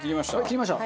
切りました？